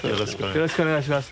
よろしくお願いします。